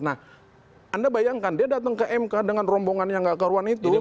nah anda bayangkan dia datang ke mk dengan rombongan yang gak karuan itu